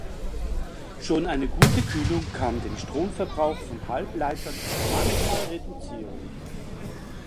Schon eine gute Kühlung kann den Stromverbrauch von Halbleitern manchmal reduzieren.